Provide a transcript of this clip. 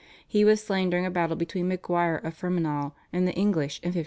He was slain during a battle between Maguire of Fermanagh and the English in 1593.